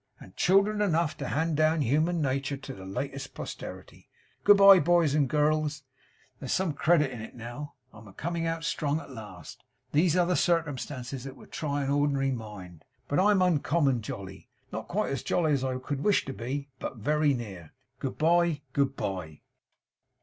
And children enough to hand down human natur to the latest posterity good b'ye, boys and girls! There's some credit in it now. I'm a coming out strong at last. These are the circumstances that would try a ordinary mind; but I'm uncommon jolly. Not quite as jolly as I could wish to be, but very near. Good b'ye! good b'ye!